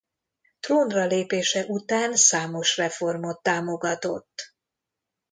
Trónra lépése után számos reformot támogatott.